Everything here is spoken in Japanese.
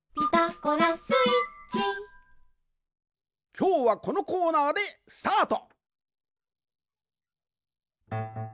きょうはこのコーナーでスタート！